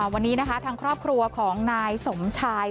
วันนี้นะคะทางครอบครัวของนายสมชาย